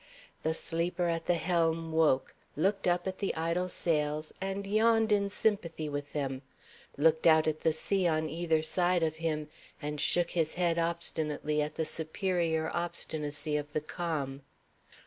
The sleeper at the helm woke; looked up at the idle sails, and yawned in sympathy with them; looked out at the sea on either side of him, and shook his head obstinately at the superior obstinacy of the calm.